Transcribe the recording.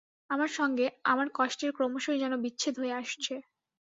আমার সঙ্গে আমার কষ্টের ক্রমশই যেন বিচ্ছেদ হয়ে আসছে।